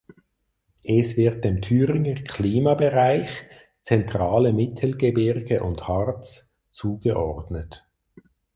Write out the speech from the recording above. Es wird dem Thüringer Klimabereich „Zentrale Mittelgebirge und Harz“ zugeordnet.